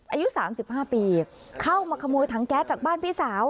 อายุ๓๕ปีเข้ามาขโมยถังแก๊สจากบ้านพี่สาว